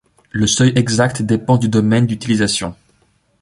Le seuil exact dépend du domaine d'utilisation.